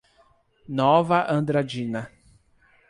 Nova Andradina